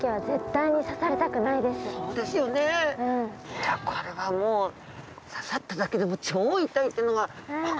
いやこれはもう刺さっただけでも超痛いっていうのが分かりますね。